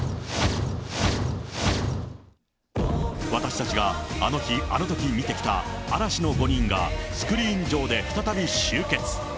私たちがあの日、あのとき見てきた嵐の５人がスクリーン上で再び集結。